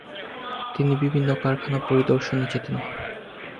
তিনি বিভিন্ন কারখানা পরিদর্শনে যেতেন।